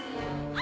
あ！